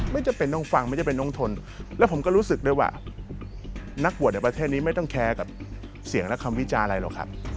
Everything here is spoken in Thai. ไม่จำเป็นต้องฟังไม่จำเป็นต้องทนแล้วผมก็รู้สึกด้วยว่านักบวชในประเทศนี้ไม่ต้องแคร์กับเสียงและคำวิจารณ์อะไรหรอกครับ